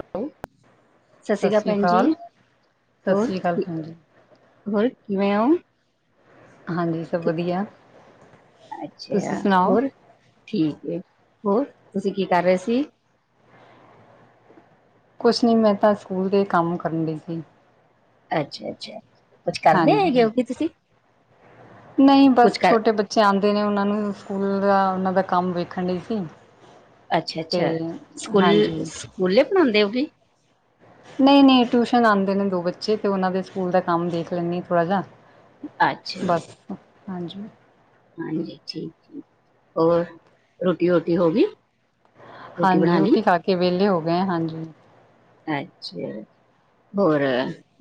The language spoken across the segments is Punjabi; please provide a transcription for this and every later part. ਹੈਲੋ। ਸਤਿ ਸ੍ਰੀ ਅਕਾਲ ਭੈਣ ਜੀ। ਸਤਿ ਹੋਰ, ਸ਼੍ਰੀ ਅਕਾਲ ਠੀ ਭੈਣ ਜੀ ਹੋਰ? ਕਿਵੇਂਂ ੳ? ਹਾਂਜੀ ਸਭ ਵਧੀਆ ਤੁਸੀਂ ਅੱਛਾ, ਸੁਣਾਓ ਹੋਰ? ਠੀਕ ਏ। ਹੋਰ, ਤੁਸੀਂ ਕੀ ਕਰ ਰਹੇ ਸੀ? ਕੁਝ ਨਹੀਂ, ਮੈਂ ਤਾਂ ਸਕੂਲ ਦੇ ਕੰਮ ਕਰਨ ਦੀ ਸੀ। ਅੱਛਾ, ਅੱਛਾ। ਕੁਛ ਕਰਦੇ ਹੈਗੇ ਹਾਂਜੀ, ਹੋ ਕਿ ਤੁਸੀਂ? ਨਹੀਂ, ਕੁਛ ਬਸ ਕਰ ਛੋਟੇ ਬੱਚੇ ਆਂਦੇ ਨੇ, ਉਹਨਾਂ ਨੂੰ ਸਕੂਲ ਦਾ ਉਹਨਾਂ ਦਾ ਕੰਮ ਵੇਖੰਡੀ ਸੀ। ਅੱਛਾ, ਤੇ ਅੱਛਾ ਹਾਂਜੀ ਸਕੂੱਲ-ਸਕੂਲੇ ਪੜ੍ਹਾਂਦੇ ਹੋ, ਕਿ? ਨਹੀਂ-ਨਹੀਂ, ਟਿਊਸ਼ਨ ਆਉਂਦੇ ਨੇ ਦੋ ਬੱਚੇ ਤੇ, ਉਹਨਾਂ ਦੇ ਸਕੂਲ ਦਾ ਕੰਮ ਦੇਖ ਲੈਂਨੀ ਆ ਥੋੜ੍ਹਾ ਜਾ। ਅੱਛਾ। ਹਾਂਜੀ। ਹਾਂਜੀ, ਠੀਕ ਏ। ਹੋਰ, ਰੋਟੀ, ਹੋਟੀ ਹੋ ਗਈ? ਹਾਂਜੀ, ਬਣਾ ਲਈ? ਰੋਟੀ ਖਾਕੇ ਵਿਹਲੇ ਹੋ ਗਏ ਆ। ਹਾਂਜੀ। ਅੱਛਾ। ਹੋਰ,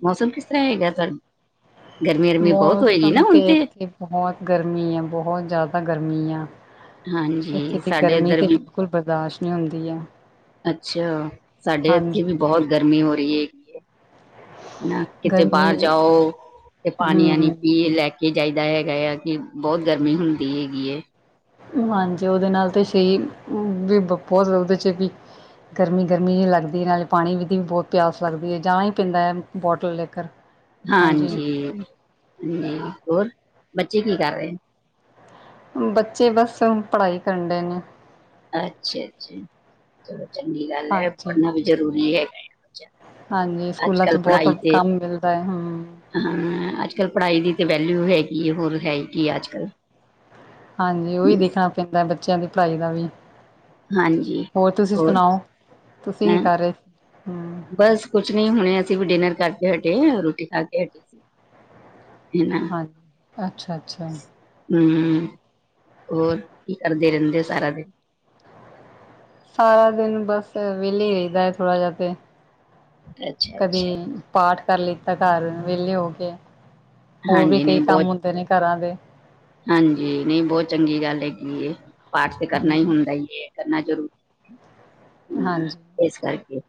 ਮੌਸਮ ਕਿਸ ਤਰ੍ਹਾਂ ਹੈਗਾ ਤਾਹ? ਮੌਸਮ ਤੇ ਇੱਥੇ ਬਹੁਤ ਗਰਮੀ ਆ, ਬਹੁਤ ਜ਼ਿਆਦਾ ਗਰਮੀ ਆ। ਹਾਂਜੀ, ਇੱਥੇ ਦੀ ਸਾਡੇ ਗਰਮੀ ਇੱਧਰ ਤੇ, ਵੀ ਬਿਲਕੁਲ ਬਰਦਾਸ਼ਤ ਨਹੀਂ ਹੁੰਦੀ ਐ। ਅੱਛਾ। ਸਾਡੇ ਇੱਥੇ ਵੀ ਬਹੁਤ ਗਰਮੀ ਹੋ ਰਹੀ ਹੈਗੀ ਐ। ਕਿਤੇ ਗਰਮੀ ਬਾਹਰ ਜਾਓ ਤੇ, ਪਾਣੀ, ਆਣੀ ਹਮ ਪੀਏ ਲੈਕੇ ਕੀ ਚਾਹੀਦਾ ਹੈਗਾਯਾ ਕਿ, ਬਹੁਤ ਗਰਮੀ ਹੁੰਦੀ ਹੈਗੀ ਐ। ਹਾਂਜੀ। ਉਹਦੇ ਨਾਲ ਤੇ ਸਹੀ ਵੀ ਬਹੁਤ ਉਹਦੇ'ਚ ਵੀ ਗਰਮੀ ਗਰਮੀ ਹੀ ਲੱਗਦੀ। ਨਾਲੇ ਪਾਣੀ ਦੀ ਵੀ ਬਹੁਤ ਪਿਆਸ ਲੱਗਦੀ ਹੈ, ਜਾਣਾ ਹੀ ਪੈਂਦਾ ਹੈ ਬੋਟਲ ਲੇਕਰ। ਹਾਂਜੀ, ਹੂੰ। ਹੋਰ ਬੱਚੇ ਕੀ ਕਰ ਰਹੇ? ਬੱਚੇ ਬਸ ਪੜ੍ਹਾਈ ਕਰੰਡੇ ਨੇ। ਅੱਛਾ, ਅੱਛਾ। ਚਲੋ ਚੰਗੀ ਗੱਲ ਐ। ਹਾਂਜੀ ਪੜ੍ਹਨਾ ਵੀ ਜ਼ਰੂਰੀ ਐ। ਹਾਂਜੀ ਅੱਜ- ਸਕੂਲਾਂ 'ਚ ਕੱਲ ਬਹੁਤ ਪੜ੍ਹਾਈ ਤੇ, ਕੰਮ ਮਿਲਦਾ ਹੈ ਹਮ ਹਾਂ ਅੱਜ-ਕੱਲ ਪੜ੍ਹਾਈ ਦੀ ਤੇ, ਵੈਲਿਊ ਹੈਗੀ। ਹੋਰ ਹੈ, ਕੀ, ਅੱਜਕੱਲ। ਹਾਂਜੀ। ਉਹੀ ਦੇਖਣਾ ਪੈਂਦਾ ਬੱਚਿਆਂ ਦੀ ਪੜ੍ਹਾਈ ਦਾ ਵੀ। ਹਾਂਜੀ ਹੋਰ, ਤੁਸੀਂ ਸੁਣਾਓ ਤੁਸੀਂ ਕੀ ਹੈਂ, ਕਰ ਰਹੇ? ਹਮ ਬਸ ਕੁਛ ਨਹੀਂ, ਹੁਣੇ ਅਸੀਂ ਵੀ ਡਿਨਰ ਕਰਕੇ ਹਟੇ, ਰੋਟੀ ਖਾਕੇ ਹਟੀ। ਹਾਂ, ਅੱਛਾ- ਅੱਛਾ। ਹੂੰ। ਹੋਰ, ਕੀ ਕਰਦੇ ਰਹਿੰਦੇ ਸਾਰਾ ਦਿਨ? ਸਾਰਾ ਦਿਨ ਬਸ। ਵਿਹਲੇ ਰਹੀਦਾ ਥੋੜਾ ਜਿਹਾ ਤੇ ਕਦੇ ਅੱਛਾ-ਅੱਛਾ। ਪਾਠ ਕਰ ਲਿੱਤਾ ਘਰ, ਵਿਹਲੇ ਹੋਕੇ। ਹੋਰ ਵੀ, ਹਾਂਜੀ, ਕਈ ਨਹੀਂ ਬਹੁਤ ਕੰਮ ਹੁੰਦੇ ਨੇ ਘਰਾਂ ਦੇ। ਹਾਂਜੀ, ਨਹੀਂ ਬਹੁਤ ਚੰਗੀ ਗੱਲ ਹੈਗੀ। ਪਾਠ ਤੇ ਕਰਨਾ ਹੀ ਹਾਂਜੀ ਹੁੰਦਾ ਈ ਏ। ਕਰਨਾ ਜ਼ਰੂਰੀ ਐ, ਹਾਂਜੀ ਇਸ ਕਰਕੇ।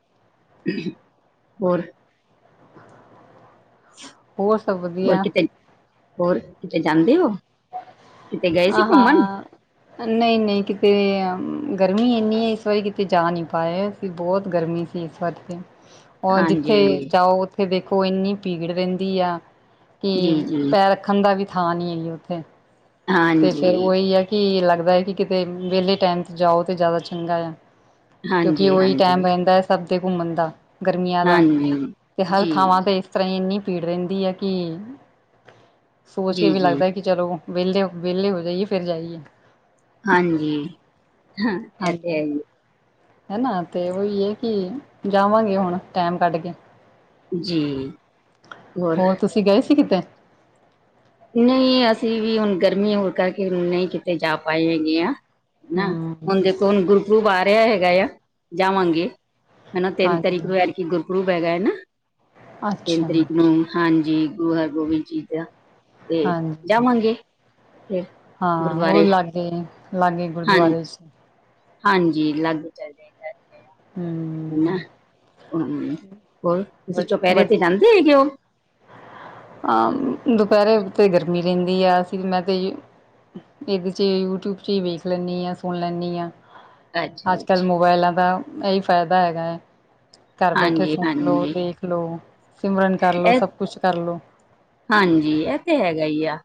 ਹੋਰ? ਹੋਰ ਸਭ ਹੋਰ ਵਧੀਆ। ਕਿਤੇ ਹੋਰ ਕਿਤੇੇ ਜਾਂਦੇ ਹੋ? ਕਿਤੇ ਗਏ ਸੀ ਘੁੰਮਣ? ਆਹਾਂ, ਨਹੀਂ-ਨਹੀਂ ਕਿਤੇ। ਗਰਮੀ ਇੰਨੀ ਹੈ। ਇਸ ਵਾਰੀ ਕਿਤੇ ਜਾ ਨਹੀਂ ਪਾਏ ਸੀ। ਬਹੁਤ ਗਰਮੀ ਸੀ ਇਸ ਵਾਰ ਤੇ। ਉਹ ਜਿੱਥੇ ਹਾਂਜੀ, ਜਾਓ ਉੱਥੇ ਦੇਖੋ ਇੰਨੀ ਭੀੜ ਰਹਿੰਦੀ ਆ। ਕਿ ਜੀ-ਜੀ, ਪੈਰ ਰੱਖਣ ਦਾ ਵੀ ਥਾਂ ਨੀ ਹੈਗੀ। ਉੱਥੇ ਤੇ ਫੇਰ ਹਾਂਜੀ। ਉਹੀ ਹੈ ਕਿ ਅੱਲਗ। ਲੱਗਦਾ ਕਿ ਕਿਤੇ ਵਿਹਲੇ ਟਾਈਮ ਤੇ ਜਾਓ ਤੇ ਜ਼ਿਆਦਾ ਚੰਗਾ ਆ। ਕਿਉਂਕਿ ਉਹੀ ਹਾਂਜੀ-ਹਾਂਜੀ, ਟਾਈਮ ਰਹਿੰਦਾ ਸਭ। ਦੇ ਘੁੰਮਣ ਦਾ, ਗਰਮੀਆਂ ਦਾ, ਹਾਂਜੀ, ਹਾਂਜੀ ਤੇ ਹਰ ਜੀ, ਥਾਵਾਂ ਤੇ ਇਸ ਤਰ੍ਹਾਂ ਹੀ ਇੰਨੀ। ਭੀੜ ਰਹਿੰਦੀ ਹੈ ਕਿ ਸੋਚ ਕੇ ਵੀ ਜੀ-ਜੀ, ਲੱਗਦਾ ਕਿ ਚਲੋ ਵਿਹਲੇ ਹੋ। ਵਿਹਲੇ ਹੋ ਜਾਈਏ ਫਿਰ ਜਾਈਏ। ਹਾਂਜੀ। ਹੈ ਤੇ ਐ। ਹਨਾ ਤੇ ਉਹੀ ਹੈ ਕਿ ਜਾਵਾਂਗੇ ਹੁਣ ਟੈਮ ਕੱਢ ਕੇ। ਜੀ। ਹੋਰ ਤੁਸੀਂ ਗਏ ਸੀ ਕਿਤੇ? ਨਹੀਂ, ਅਸੀਂ ਵੀ ਹੁਣ ਗਰਮੀ ਹੋਣ ਕਰਕੇ ਹੁਣ ਨਹੀਂ ਕਿਤੇ ਜਾ ਪਾਏ ਹੈਗੇ ਆ। ਹੈ ਨਾ। ਹਮ ਹੁਣ ਦੇਖੋ ਹੁਣ ਗੁਰੂ ਪੂਰਬ ਆ ਰਿਹਾ ਹੈਗਾ ਆ ਜਾਵਾਂਗੇ। ਹਨਾ। ਤਿੰਨ ਤਰੀਕ ਹਾਂਜੀ ਨੂੰ ਐਤਕੀ ਗੁਰਪੁਰਬ ਹੈਗਾ ਹੈ ਨਾ ਨਾ ਤਿੰਨ ਅੱਛਾ ਤਰੀਕ ਨੂੰ ਹਾਂਜੀ। ਜੀ ਗੁਰੂ ਹਰਗੋਬਿੰਦ ਜੀ ਦਾ ਤੇ ਹਾਂਜੀ ਜਾਵਾਂਗੇ। ਫਿਰ ਹਾਂ। ਉਹ ਗੁਰਦੁਆਰੇ ਲਾਗੇ ਲਾਗੇ ਹਾਂ ਗੁਰਦੁਆਰੇ ਚ। ਹਾਂਜੀ, ਲਾਗੇ ਚਲ ਜਾਈਦਾ ਹੈ ਨਾ। ਹਮ ਹੂੰ। ਹੋਰ ਵ ਤੁਸੀਂ ਵ ਚੁਪਹਿਰੇ ਤੇ ਜਾਂਦੇ ਹੈਗੇ ਹੋ? ਆਹ। ਦੁਪਹਿਰੇ ਤੇ ਗਰਮੀ ਰਹਿੰਦੀ ਆ ਅਸੀਂ ਮੈਂ ਤੇ ਇਹਦੇ ਚ ਯੂਟਿਊਬ ਚ ਹੀ ਵੇਖ ਲੈਂਦੀ ਹਾਂ, ਸੁਣ ਲੈਂਦੀ ਹਾਂ। ਅੱਛਾ ਅੱਜ ਕੱਲ੍ਹ ਅੱਛਾ ਮੋਬਾਇਲਾਂ ਦਾ ਇਹੀ ਫਾਇਦਾ ਹੈਗਾ ਹੈ। ਘਰ ਬੈਠੇ ਹਾਂਜੀ ਸੁਣ ਲੋ ਹਾਂਜੀ ਦੇਖ ਲੋ ਸਿਮਰਨ ਕਰ ਲੋ ਇਹ ਸਭ ਕੁਛ ਕਰਲੋ। ਹਾਂਜੀ ਇਹ ਤੇ ਹੈਗਾ ਹੀ ਆ।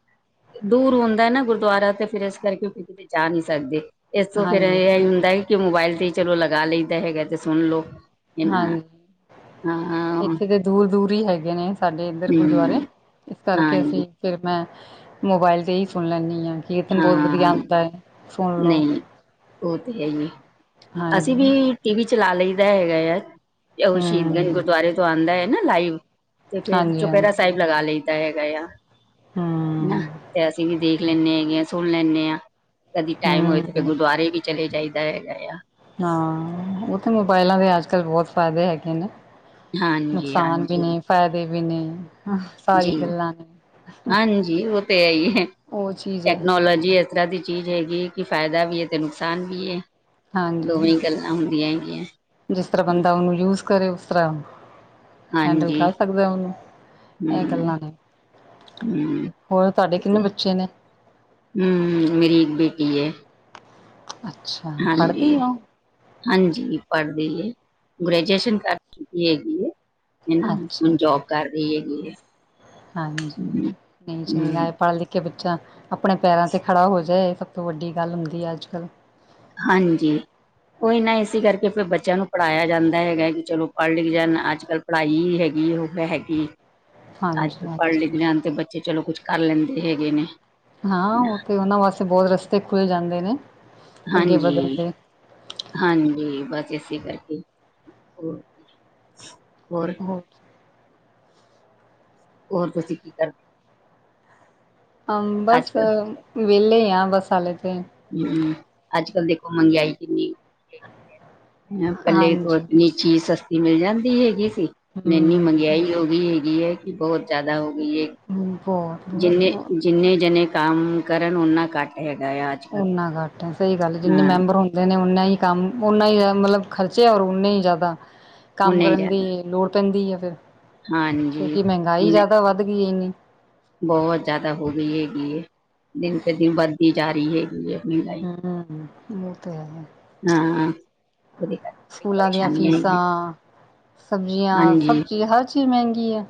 ਦੂਰ ਹੁੰਦਾ ਨਾ ਗੁਰਦੁਆਰਾ ਤੇ ਫਿਰ ਇਸ ਕਰਕੇ ਉੱਥੇ ਕਿਤੇ ਜਾ ਨਹੀਂ ਸਕਦੇ। ਇਸ ਤੋਂ ਫੇਰ ਹਾਂਜੀ ਇਹ ਹੀ ਹੁੰਦਾ ਹੈ ਕਿ ਮੋਬਾਇਲ ਤੇ ਚਲੋ ਲਗਾ ਲਈਦਾ ਹੈਗਾ ਤੇ ਸੁਣ ਲਓ। ਹਾਂਜੀ ਇੱਥੇ ਦੇ ਦੂਰ ਦੂਰ ਵੀ ਹੈਗੇ ਨੇ ਸਾਡੇ ਇੱਧਰ ਗੁਰਦੁਆਰੇ ਹੂੰ ਇਸ ਕਰਕੇ ਹਾਂਜੀ ਅਸੀਂ ਫਿਰ ਮੈਂ। ਮੋਬਾਇਲ ਤੇ ਹੀ ਸੁਣ ਲੈਂਨੀ ਆ ਕੀਰਤਨ ਬਹੁਤ ਵਧੀਆ ਹਾਂ ਆਉਂਦਾ ਹੈ। ਸੁਣ ਲਓ ਨਹੀਂ ਉਹ ਤੇ ਹੈ ਹੀ ਅਸੀਂ ਵੀ ਹਾਂਜੀ ਟੀ ਵੀ। ਚਲਾ ਲਈਦਾ ਹੈਗਾ ਆ ਉਹ ਸ਼ਹੀਦਾ ਦੇ ਹੂੰ ਗੁਰਦੁਆਰੇ ਤੋਂ ਆਉਂਦਾ ਹੈ ਨਾ ਲਾਈਵ। ਤੇ ਫਿਰ ਹਾਂਜੀ ਹਾਂਜੀ ਚੁਪੇਰਾ ਸਾਹਿਬ ਲਗਾ ਲਈਦਾ ਹੈਗਾ ਆ। ਹੂੰ ਤੇ ਅਸੀਂ ਵੀ ਦੇਖ ਲੈਂਦੇ ਹੈਗੇ ਆ ਸੁਣ ਲੈਂਦੇ ਹਾਂ। ਕਦੀ ਟਾਈਮ ਹੋਏ ਤੇ ਫਿਰ ਹੂੰ ਗੁਰਦੁਆਰੇ ਵੀ ਚਲੇ ਜਾਈਦਾ ਹੈਗਾ ਆ। ਹਾਂ ਉਹ ਤਾਂ ਮੋਬਾਇਲਾਂ ਦੇ ਅੱਜ ਕੱਲ੍ਹ ਬਹੁਤ ਫਾਇਦੇ ਹੈਗੇ ਨੇ। ਹਾਂਜੀ ਨੁਕਸਾਨ ਵੀ ਹਾਂਜੀ ਨੇ ਫਾਇਦੇ ਵੀ ਨੇ ਸਾਰੀ ਜੀ। ਗੱਲਾਂ ਨੇ। ਹਾਂਜੀ ਉਹ ਤੇ ਹੈ ਹੀ ਹੈ ਉਹ ਚੀਜ਼ ਹੈ ਟੈਕਨੋਲੋਜੀ ਇਸ ਤਰ੍ਹਾਂ ਦੀ ਚੀਜ਼ ਹੈਗੀ। ਕੀ ਫਾਇਦਾ ਵੀ ਹੈ ਤੇ ਨੁਕਸਾਨ ਵੀ ਹੈ। ਹਾਂਜੀ ਦੋਵੇਂ ਹੀ ਗੱਲਾਂ ਹੁੰਦੀਆਂ ਹੈਗੀਆਂ ਜਿਸ ਤਰ੍ਹਾਂ ਬੰਦਾ ਉਹਨੂੰ ਯੂਜ ਕਰੇ ਉਸ ਤਰ੍ਹਾਂ। ਹੈਂਡਲ ਹਾਂਜੀ ਕਰ ਸਕਦੇ ਉਹਨੂੰ ਇਹ ਗੱਲਾਂ ਨੇ। ਹ ਹੋਰ ਤੁਹਾਡੇ ਕਿੰਨੇ ਬੱਚੇ ਨੇ ਹਮ ਮੇਰੀ ਇੱਕ ਬੇਟੀ ਹੈ। ਅੱਛਾ ਹਾਂਜੀ, ਪੜ੍ਹਦੀ ਹੋ ਹਾਂਜੀ ਪੜ੍ਹਦੀ ਏ। ਗ੍ਰੈਜੂਏਸ਼ਨ ਕਰ ਚੁੱਕੀ ਹੈਗੀ ਹੈ ਇਹ ਅੱਛਾ ਹੁਣ ਜੋਬ ਕਰ ਰਹੀ ਹੈਗੀ ਹੈ। ਹਾਂਜੀ ਹਮ ਨਹੀਂ ਚੰਗਾ ਹੈ ਹਮ ਪੜ੍ਹ ਲਿਖ ਬੱਚਾ ਆਪਣੇ ਪੈਰਾਂ ਤੇ ਖੜਾ ਹੋ ਜਾਏ। ਸਭ ਤੋਂ ਵੱਡੀ ਗੱਲ ਹੁੰਦੀ ਹੈ ਅੱਜ ਕੱਲ੍ਹ। ਹਾਂਜੀ। ਉਹੀ ਨਾ ਇਸੀ ਕਰਕੇ ਫਿਰ ਬੱਚਿਆਂ ਨੂੰ ਪੜ੍ਹਾਇਆ ਜਾਂਦਾ ਹੈਗਾ ਕਿ ਚਲੋ ਪੜ੍ਹ ਲਿਖ ਜਾਣ ਅੱਜ ਕੱਲ੍ਹ ਪੜ੍ਹਾਈ ਹੀ ਹੈਗੀ। ਕੀ ਉਹ ਹੈਗੀ ਅੱਜ ਹਾਂਜੀ ਕੱਲ ਪੜ੍ਹ ਲਿਖ ਹਾਂਜੀ ਲਣ ਤੇ ਬੱਚੇ ਚਲੋ ਕੁਛ ਕਰ ਲੈਂਦੇ ਹੈਗੇ ਨੇ ਹਾਂ ਉਹ ਤੇ ਉਹਨਾਂ ਵਾਸਤੇ ਬਹੁਤ ਰਸਤੇ ਖੁੱਲ ਜਾਂਦੇ ਨੇ ਅੱਗੇ ਵਧਣ ਹਾਂਜੀ ਦੇ ਹਾਂਜੀ ਬਸ ਇਸੇ ਗੱਲ ਠੀ ਹੋਰ ਹੋਾਂ ਹੋਰ ਤੁਸੀਂ ਕੀ ਕਰਦੇ ਹ ਅੱਜ ਬਸ ਕੱਲ ਵਹਲੇ ਹੀ ਆ ਬਸ ਹਾਲ ਹਮ ਅੱਜ ਕੱਲ ਦੇਖੋ ਮਹਿੰਗਾਈ ਕਿੰਨੀ ਂ ਇਕੱਲੇ ਹਾਂਜੀ ਇੰਨੀ ਚੀਜ਼ ਸਸਤੀ ਮਿਲ ਜਾਂਦੀ ਹੈਗੀ ਸੀ ਇੰਨੀ ਹਮ ਮਹਿੰਗਾਈ ਹੋ ਗਈ ਹੈਗੀ ਹੈ ਕਿ ਬਹੁਤ ਜ਼ਿਆਦਾ ਹੋ ਗਈ ਹੈ ਬਹੁਤ ਬਹੁਤ ਜਿੰਨੇ ਬਹੁਤ ਜਿੰਨੇ ਜਣੇ ਕੰਮ ਕਰਨ ਓਨਾ ਘੱਟ ਹੈਗਾ ਆ ਅੱਜ ਕੱਲ ਓਨਾ ਘੱਟ ਸਹੀ ਗੱਲ ਜਨੇ ਹਾਂ ਮੈਂਬਰ ਹੁੰ ਨੇ ਉਨਾ ਹੀ ਕੰਮ ਉਨਾ ਹੀ ਜ਼ ਮਤਲਬ ਖਰਚੇ ਹੋਰ ਉਨਾੇ ਹੀ ਜ਼ਿਆਦਾ ਕੰਮ ਓਨੇ ਕਰਨ ਦੀ ਜ਼ਿਆਦਾ ਲੋੜ ਪੈਂਦੀ ਆ ਫੇਿਰ ਹਾਂਜੀ ਕਿਉਂਕਿ ਮਹਿੰਗਾਈ ਓਨੇ ਜਿਆਦਾ ਵੱਧ ਗਈ ਇੰਨੀ ਬਹੁਤ ਜਿਆਦਾ ਹੋ ਗਈ ਹੈਗੀ ਹੈ ਦਿਨ ਪ ਦਿਨ ਵਧਦੀ ਜਾ ਰਹੀ ਹੈਗੀ ਹੈ ਮਹਿੰਗਾਈ ਹਮ ਉਹ ਤੇ ਹੈ ਹਾਂ ਉਹਦੇ ਕਰਕੇ ਬੜੀ ਸਕੂਲਾਂ ਦੀਆਂ ਪਰੇਸ਼ਾਨੀ ਆਈ ਫੀਸਾਂ ਹੈ ਸਬਜ਼ੀਆਂ ਸਭ ਹਾਂਜੀ ਚੀਜ਼ ਹਰ ਚ ਕਿੇ ਮਹਿੰਗੀ ਹੈ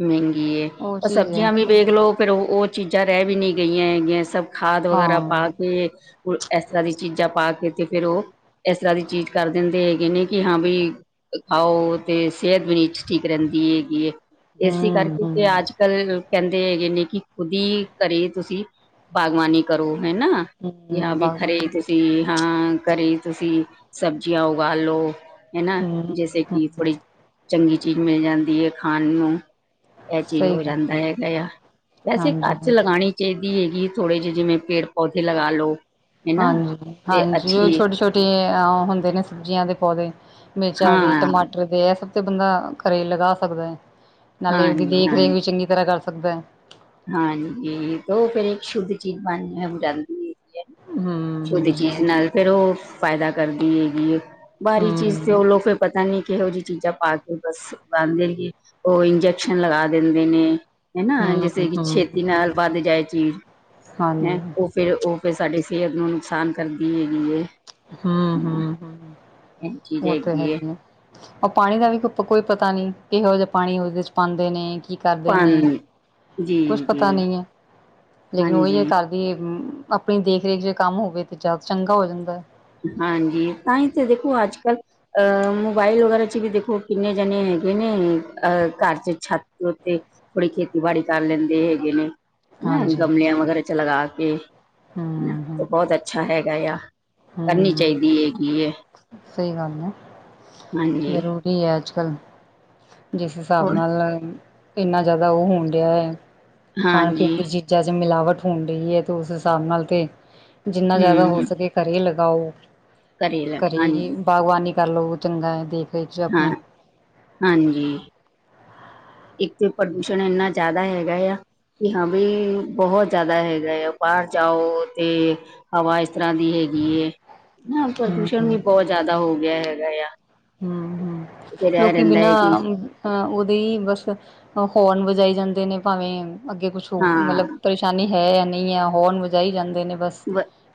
ਮਹਿੰਗੀ ਉਹ ਪਰ ਚੀਜ਼ ਹੈ ਸਬਜ਼ੀਆਂ ਵੀ ਵੇਖ ਲਓ ਫਿਰ ਉਹ ਚੀਜ਼ਾਂ ਰਹਿ ਵੀ ਨਹੀਂੀ ਗਈਆਂ ਹੈਗੀਆਂ ਸਭ ਖਾਦ ਹਾਂ ਵਗੈਰਾ ਪਾ ਕੇ ਇਸ ਤਰ੍ਹਾਂ ਦੀ ਚੀਜ਼ਾਂ ਪਾ ਕੇ ਤੇ ਫੇਰ ਉਹ ਇਸ ਤਰ੍ਹਾਂ ਦੀ ਚੀਜ਼ ਕਰ ਦਿੰਦੇ ਹੈਗੇ ਨੇ ਕਿ ਹਾਂ ਬਈ ਖਾਓ ਤੇ ਸਿਹਤ ਵੀ ਨੀ ਠੀਕ ਰਹਿੰਦੀ ਹੈਗੀ ਇਸੇ ਹਮ ਕਰਕੇ ਤੇ ਹਮ ਅੱਜ ਕੱਲ ਕਹਿੰਦੇ ਹੈਗੇ ਨੇ ਕਿ ਖੁਦ ਹੀ ਘਰੇ ਤੁਸੀਂ ਬਾਗਬਾਨੀ ਕਰੋ ਹਨ ਨਾ ਜਾਂ ਹਮ ਵੀ ਖਰੇ ਬਾਗਬਾਨੀ ਤੁਸੀਂ ਹਾਂ ਘਰੇ ਤੁਸੀਂ ਸਬਜ਼ੀਆਂ ਉਗਾਾਲੋ ਹਨਾ ਹਮ ਜੈਸੇ ਕਿ ਹਮ ਥੋੜੀ ਚੰਗੀ ਚੀਜ਼ ਮਿਲ ਜਾਂਦੀ ਹੈ ਖਾਣ ਨੂੰ ਇਹ ਚੀਜ਼ ਸਹੀ ਹੋ ਗੱਲ ਜਾਂਦਾ ਹੈਗਾ ਆ ਵੈਸੇ ਘਰ ਹਾਂਜੀ ਚ ਲਗਾਉਣੀ ਚਾਹੀਦੀ ਹੈਗੀ ਥੋੜੇ ਜਿਹੇ ਜਿਵੇਂ ਪੇੜ ਪੌਦੇੇ ਲਗਾ ਲੋ ਹਨਾ ਹਾਂਜੀ- ਤੇ ਹਾਂਜੀ ਉਹ ਅੱਛੀ ਛੋਟੇ ਛੋਟੇ ਹੁੰਦੇ ਨੇ ਸਬਜ਼ੀਆਂ ਦੇ ਪੌਦੇ ਮਿਰਚਾਂ ਹਾਂ ਟਮਾਟਰ ਬੰਦਾ ਘਰੇ ਲਗਾ ਸਕਦਾ ਹੈ ਨਾਲੇ ਉਹਦੀ ਹਾਂਜੀ ਦੇਖ ਹਾਂ ਰੇਖ ਵੀ ਚੰਗੀ ਤਰ੍ਹਾਂ ਕਰ ਸਕਦਾ ਹੈ। ਹਾਂਜੀ ਤੇ ਉਹ ਫਿਰ ਇੱਕ ਸ਼ੁੱਧ ਚੀਜ਼ ਬਣ ਜਾਂਦੀ ਹੈ। ਹਮ ਛੋਲੇ ਹਮ ਚੀਜ਼ ਨਾਲ ਫੇਿਰ ਉਹ ਫਾਇਦਾ ਕਰਦੀ ਹੈਗੀ। ਬਾਹਾਰੀ ਚੀਜ਼ ਤੇ ਹਮ ਉਹ ਲੋ ਫਿਰ ਪਤਾ ਨੀ ਕਿਹੋ ਜਿ ਚੀਜ਼ਾਂ ਪਾ ਕੇ ਬਸ ਬਦੇ ਰਏ ਉਹ ਇੰਜੈਕਸ਼ਨ ਲਗਾ ਦਿੰਦੇ ਨੇ ਹਨਾ ਹਮ ਜੈਸੇ ਕਿ ਹਮ ਛੇਤੀ ਨਾਲ ਵੱਧ ਜਾਏ ਚੀਜ਼ ਹੈਂ ਹਾਂਜੀ ਉਹ ਫੇਰ ਉਹ ਫਿਰ ਸਾਡੇ ਕੀ ਨੁਕਸਾਨ ਕਰਦੀ ਹੈਗੀਏ। ਹਮ ਹਮ ਹਮ। ਇਹ ਚੀਜ਼ ਉਹ ਤੇ ਹੈ ਹੈਗੀ ਆ, ਉਹ ਪਾਣੀ ਦਾ ਵੀ ਕੋਈ ਕੋਈ ਪਤਾ ਨੀ ਕਿਹੋ ਜਿਹਾ ਪਾਣੀ ਉਹਦੇ ਚ ਪਾਉਂਦੇ ਨੇ ਕੀ ਕਰਦੇ ਨੇ ਪਾਣੀ ਜੀ ਕੁਛ ਜੀ ਪਤਾ ਨੀ ਹੈ ਲੇਕਿਨ ਉਹੀ ਹਾਂਜੀ ਹੈ ਕਰਦੀ ਆਪਣੀ ਦੇਖ ਰੇਖ ਜੇ ਕੰਮ ਹੋਵੇ ਤਾਂ ਜ਼ਿਆਦਾ ਚੰਗਾ ਹੋ ਜਾਂਦਾ। ਹਾਂਜੀ! ਤਾਂ ਹੀ ਤੇ ਦੇਖੋ ਅੱਜ ਕੱਲ੍ਹ ਮੋਬਾਇਲ ਵਗੈਰਾ ਚ ਵੀ ਦੇਖੋ ਕਿੰਨੇ ਜਣੇ ਹੈ ਹੈਗੇ ਨੇ ਅਹ ਘਰ ਚ ਛੱਤ ਉੱਤੇ ਥੋੜੀ ਖੇਤੀਬਾੜੀ ਕਰ ਲੈਂਦੇ ਹੈਗੇ ਨੇ ਨਾ ਹਾਂਜੀ ਹਾਂਜੀ ਗਮਲਿਆਂ ਵਗੈਰਾ ਚ ਲਗਾ ਕੇ ਹਮ ਹਮ ਤਾਂ ਬਹੁਤ ਅੱਛਾ ਹੈਗਾ ਹਾਂ। ਹਮ ਸਹੀ ਗੱਲ ਹੈ। ਹਾਂਜੀ ਜ਼ਰੂਰੀ ਹੈ ਅੱਜ ਕੱਲ ਜਿਸ ਹਿਸਾਬ ਹੋਰ ਨਾਲ ਇੰਨਾ ਜ਼ਿਆਦਾ ਉਹ ਹੋਣ ਦਿਆ ਹੈ। ਖਾਣ ਪੀਣ ਹਾਂਜੀ ਦੀ ਚੀਜ਼ਾਂ ਚ ਮਿਲਾਵਟ ਹੋਣ ਰਹੀ ਹੈ ਤੇ ਉਸ ਹਿਸਾਬ ਨਾਲ ਤੇ ਜਿੰਨਾ ਜ਼ਿਆਦਾ ਹੋ ਹਮ ਸਕੇ ਘਰੇ ਲਗਾਓ ਕਰੇਲਾ ਘਰੇ ਹਾਂਜੀ ਬਾਗਬਾਨੀ ਕਰ ਲਓ ਚੰਗਾ ਹੈ ਦੇਖ ਰੇਖ ਹਾਂ ਆਪਣੀ ਹਾਂਜੀ। ਇੱਥੇ ਪ੍ਰਦੂਸ਼ਣ ਇੰਨਾ ਜ਼ਿਆਦਾ ਹੈਗਾ ਆ ਵੀ ਹਾਂ ਵੀ ਬਹੁਤ ਜ਼ਿਆਦਾ ਹੈਗਾ ਆ ਬਾਹਰ ਜਾਓ ਤੇ ਹਵਾ ਇਸ ਤਰ੍ਹਾਂ ਦੀ ਹੈ ਹੈਗੀ ਏ ਨਾ ਪ੍ਰਦੂਸ਼ਣ ਵੀ ਹਮ ਬਹੁਤ ਜ਼ਿਆਦਾ ਹੋ ਗਿਆ ਹੈਗਾ ਆ ਹਮ ਹਮ ਫਿਰ ਇਹ ਲੋਕੀ ਰਹਿੰਦਾ ਬਿਨਾਂ ਹੈ ਕਿ ਅਹ ਉਹਦੇ ਹੀ ਬਸ ਹੋਰਨ ਵਜਾਈ ਜਾਂਦੇ ਨੇ ਭਾਵੇਂ ਅੱਗੇ ਕੁਛ ਹੋ ਹਾਂ ਮਤਲਬ ਪਰੇਸ਼ਾਨੀ ਹੈ ਨਹੀਂ ਹੈ ਹੋਣ ਵਜਾਈ ਜਾਂਦੇ ਨੇ ਬਸ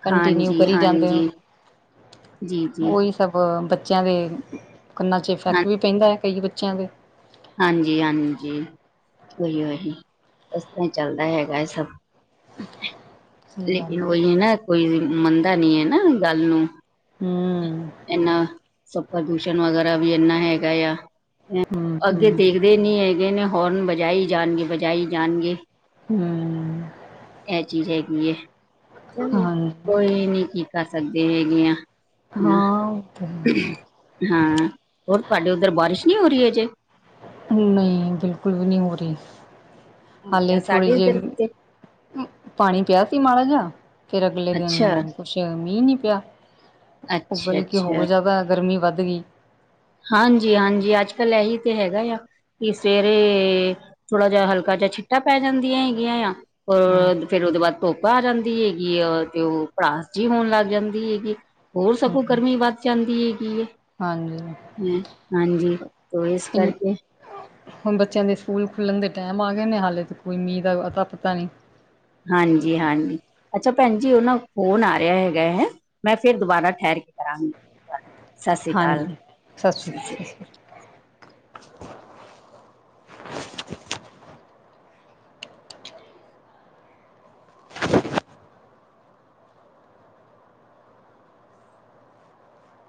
ਕੰਟੀਨਿਊ ਹਾਂਜੀ ਕਰੀ ਜਾਂਦੇ ਹੋ, ਹਾਂਜੀ ਜੀ ਜੀ ਉਹੀ ਸਭ ਬੱਚੇ ਬੱਚਿਆਂ ਦੇ ਕੰਨਾਂ ਚ ਇਫੈਕਟ ਵੀ ਪੈਂਦਾ ਕਈ ਬੱਚਿਆਂ ਦੇ ਹਾਂਜੀ-ਹਾਂਜੀ ਉਹੀੳ ਈ ਇਸ ਤਰ੍ਹਾਂ ਚੱਲਦਾ ਹੈਗਾ ਹੈ ਸਭ। ਸਹੀ ਗੱਲ ਲੇਕਿਨ ਹੈ ਉਹੀ ਨਾ ਕੋਈ ਮੰਨਦਾ ਨੀ ਹੈ ਨਾ ਗੱਲ ਨੂੰ। ਹਮ। ਇਨਾ ਸਭ ਪ੍ਰਦੂਸ਼ਣ ਵਗੈਰਾ ਵੀ ਇੰਨਾ ਹੈਗਾ ਆ। ਅੱਗੇ ਹੂੰ-ਹੂੰ ਦੇਖਦੇ ਨੀ ਹੈਗੇ ਨੇ ਹੋਰਨ ਵਜਾਈ ਜਾਣਗੇ ਵਜਾਈ ਜਾਣਗੇ। ਹਮ‌। ਇਹ ਚੀਜ਼ ਹੈਗੀ ਹੈ ਚਲੋ ਹਾਂਜੀ ਕੋਈ ਨੀ ਕੀ ਕਰ ਸਕਦੇ ਹੈਗੇ ਆ। ਹਾਂ ਉਹ ਤਾਂ ਹੈ ਹਾਂ ਹੋਰ ਤੁਹਾਡੇ ਉੱਧਰ ਬਾਰਿਸ਼ ਨਹੀਂ ਹੋ ਰਹੀ ਹੈ ਜੇ। ਨਹੀਂ ਬਿਲਕੁਲ ਵੀ ਨਹੀਂ ਹੋ ਰਹੀ। ਅੱਛਾ ਹਾਲੇ ਥੋੜੀ ਸਾਡੇ ਇਧਰ ਜਹੀ ਤੇ ਪਾਣੀ ਪਿਆ ਸੀ ਮਾੜਾ ਜਿਹਾ ਫਿਰ ਅਗਲੇ ਦਿਨ ਅੱਛਾ ਕੁਛ ਮੀਂਹ ਨਹੀਂ ਪਿਆ। ਅੱਛਾ ਬਲਕਿ ਹੋਰ ਜ਼ਿਆਦਾ ਗਰਮੀ ਵੱਧ ਗਈ। ਹਾਂਜੀ-ਹਾਂਜੀ ਅੱਜ ਕੱਲ੍ਹ ਇਹੀ ਤੇ ਹੈਗਾ ਆ ਕਿ ਸਵੇਰੇ ਥੋੜਾ ਜਿਹਾ ਹਲਕਾ ਛਿੱਟਾਂ ਪੈ ਜਾਂਦੀਆਂ ਹੈਗੀਆਂ ਆ ਹਮ ਫਿਰ ਉਹਦੇ ਬਾਅਦ ਧੋਪ ਆ ਜਾਂਦੀ ਹੈਗੀ ਆ, ਤੇ ਓ ਭੜਾਸ ਜੀ ਹੋਨ ਲੱਗ ਜਾਂਦੀ ਹੈਗੀ। ਹੋਰ ਸਗੋਂ ਹਮ ਗਰਮੀ ਵੱਧ ਜਾਂਦੀ ਹੈਗੀ ਏ ਹਾਂਜੀ ਹ ਹਾਂਜੀ ਤੋ ਇਸ ਕਰਕੇ ਹੁਨ ਬੱਚਿਆਂ ਦੇ ਸਕੂਲ ਖੁੱਲਣ ਦੇ ਟਾਈਮ ਆ ਗਏ ਨੇ ਹਾਲੇ ਤ ਕੋਈ ਮੀਂਹ ਦਾ ਅਤਾ ਪਤਾ ਨੀ ਹਾਂਜੀ ਹਾਂਜੀ ਅੱਛਾ ਭੈਣ ਜੀ ਉਹਨਾਂ ਫੋਨ ਆ ਰਿਹਾ ਹੈਗਾ ਹੈ ਮੈਂ ਫਿਰ ਦੁਬਾਰਾ ਠਹਿਰ ਕਰਾਂਗੀ ਗ ਹਾਂਜੀ ਸਸ ਸ਼੍ਰੀ ਅ [inaudible]